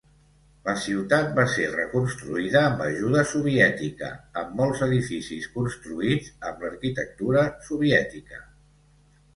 La ciutat va ser reconstruïda amb ajuda soviètica, amb molts edificis construïts amb l'arquitectura soviètica.